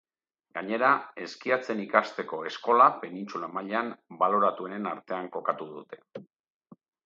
Gainera, eskiatzen ikasteko eskola, penintsula mailan, baloratuenen artean kokatu dute.